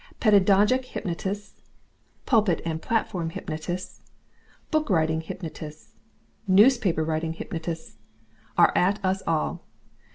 Pedagogic hypnotists, pulpit and platform hypnotists, book writing hypnotists, newspaper writing hypnotists, are at us all.